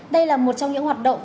đây là một trong những hoạt động